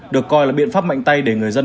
được coi là biện pháp mạnh tay để người dân